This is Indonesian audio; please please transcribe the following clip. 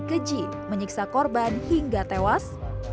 keji menyiksa korban hingga tewas